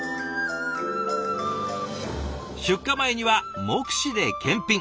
出荷前には目視で検品。